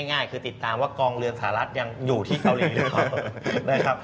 ง่ายคือติดตามว่ากองเรือนสหรัฐยังอยู่ที่เกาหลีหรือเปล่านะครับ